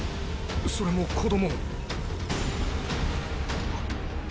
それも子供。